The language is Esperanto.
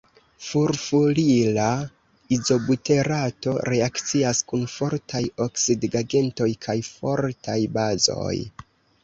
Furfurila izobuterato reakcias kun fortaj oksidigagentoj kaj fortaj bazoj.